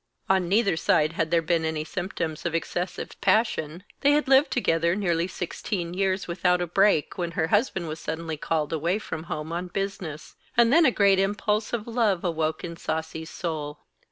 On neither side had there been any symptoms of excessive passion. They had lived together nearly sixteen years without a break, when her husband was suddenly called away from home on business, and then a great impulse of love awoke in Sasi's soul.